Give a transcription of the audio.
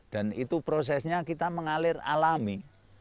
dan itu prosesnya kita mengalir alami